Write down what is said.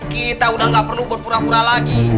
kita udah gak perlu buat pura pura lagi